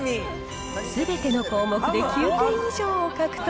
すべての項目で９点以上を獲得。